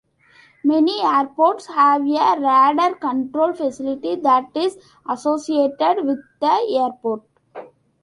Many airports have a radar control facility that is associated with the airport.